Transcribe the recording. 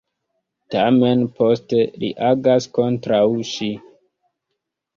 Tamen poste li agas kontraŭ ŝi.